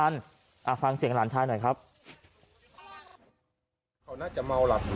เดี๋ยวเห็นเก๊กระโดดออกมาจากบ้าน